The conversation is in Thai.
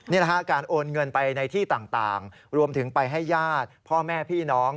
นี่แหละฮะการโอนเงินไปในที่ต่างรวมถึงไปให้ญาติพ่อแม่พี่น้อง